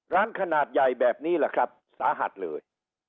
ร้านขนาดใหญ่แบบนี้แหละครับสาหัสเลย